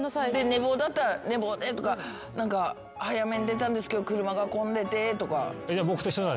寝坊だったら「寝坊で」とか「早めに出たんですけど車が混んでて」とか。